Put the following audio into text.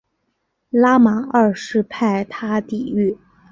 拉玛二世派他抵御。